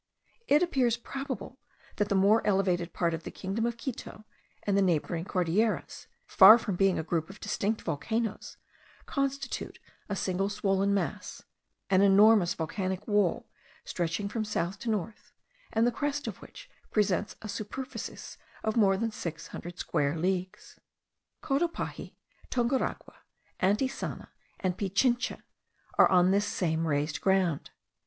It appears probable, that the more elevated part of the kingdom of Quito and the neighbouring Cordilleras, far from being a group of distinct volcanoes, constitute a single swollen mass, an enormous volcanic wall, stretching from south to north, and the crest of which presents a superficies of more than six hundred square leagues. Cotopaxi, Tunguragua, Antisana, and Pichincha, are on this same raised ground.